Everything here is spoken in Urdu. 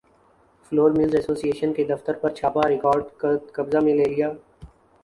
فلور ملز ایسوسی ایشن کے دفترپر چھاپہ ریکارڈ قبضہ میں لے لیا